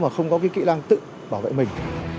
không có cái kỹ năng tự bảo vệ mình